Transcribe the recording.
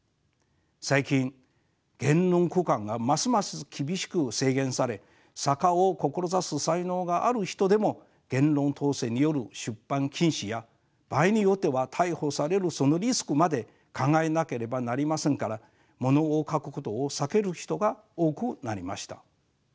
最近言論空間がますます厳しく制限され作家を志す才能がある人でも言論統制による出版禁止や場合によっては逮捕されるそのリスクまで考えなければなりませんからものを書くことを避ける人が多くなりました。